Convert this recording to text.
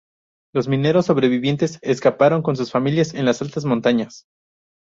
Los mineros sobrevivientes escaparon con sus familias en las altas montañas.